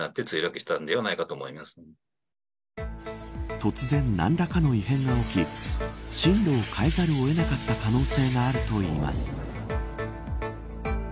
突然、何らかの異変が起き進路を変えざるを得なかった可能性があるといいます。